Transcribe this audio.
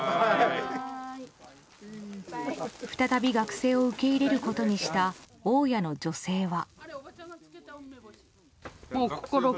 再び学生を受け入れることにした大家の女性は。